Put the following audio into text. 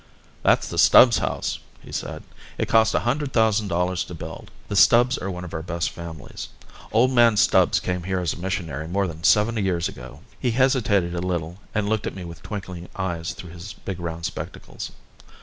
"That's the Stubbs' house," he said. "It cost a hundred thousand dollars to build. The Stubbs are one of our best families. Old man Stubbs came here as a missionary more than seventy years ago." He hesitated a little and looked at me with twinkling eyes through his big round spectacles.